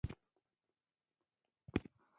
بلکې د سولیز او علمي روش نوم دی.